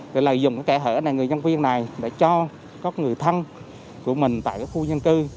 rồi lợi dụng cái kẻ hở này người nhân viên này để cho các người thân của mình tại khu dân cư